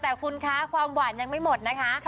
แต่คุณคะความหวานยังไม่หมดนะคะ